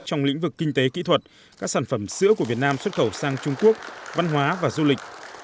trong lĩnh vực kinh tế kỹ thuật các sản phẩm sữa của việt nam xuất khẩu sang trung quốc văn hóa và du lịch